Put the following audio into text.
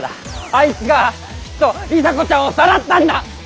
あいつがきっと里紗子ちゃんをさらったんだ！